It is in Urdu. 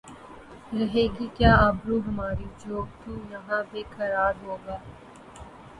رہے گی کیا آبرو ہماری جو تو یہاں بے قرار ہوگا